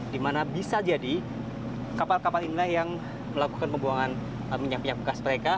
dimana bisa jadi kapal kapal ini yang melakukan pembuangan minyak minyak bekas mereka